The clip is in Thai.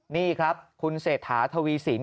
นี่ครับคุณเศรษฐาทวีสิน